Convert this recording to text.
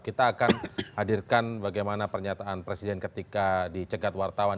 kita akan hadirkan bagaimana pernyataan presiden ketika dicegat wartawan